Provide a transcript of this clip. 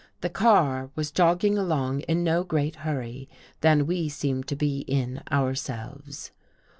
The car was jogging along in no greater hurry than we seemed to be in our selves.